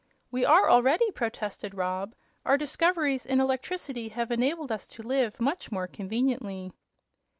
"We are, already," protested Rob; "our discoveries in electricity have enabled us to live much more conveniently."